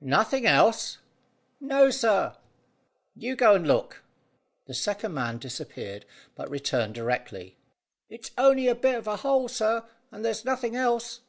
"Nothing else?" "No, sir." "You go and look." The second man disappeared, but returned directly. "It's on'y a bit of a hole, sir, and there's nothin' else."